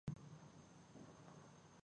زه له ټکنالوژۍ څخه په مثبت ډول کار اخلم.